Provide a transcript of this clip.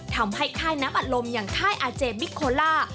ทำให้ค่ายน้ำอัดลมอย่างค่ายอาร์เจมส์บิ๊กโคล่า